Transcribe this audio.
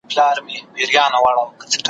هسي نه چي دا یو ته په زړه خوږمن یې ,